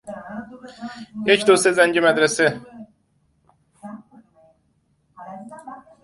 Both tracks appeared on vinyl as B-sides to the singles.